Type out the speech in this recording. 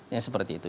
yang seperti itu